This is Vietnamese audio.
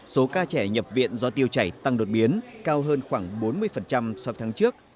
số ca trẻ nhập viện do tiêu chảy tăng đột biến cao hơn khoảng bốn mươi so tháng trước